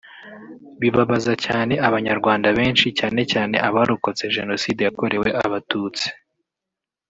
Bibabaza Abanyarwanda benshi cyane cyane abarokotse Jenoside yakorewe Abatutsi